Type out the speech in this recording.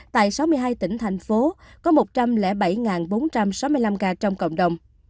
tại sáu mươi hai tỉnh thành phố có một trăm linh bảy bốn trăm sáu mươi năm ca trong cộng đồng